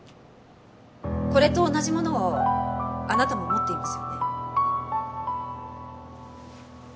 これと同じものをあなたも持っていますよね？